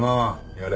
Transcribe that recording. やれ。